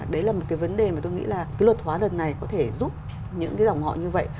đấy là một cái vấn đề mà tôi nghĩ là cái luật hóa đơn này có thể giúp những cái dòng họ như vậy